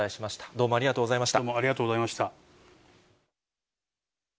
どうもありがとうございまし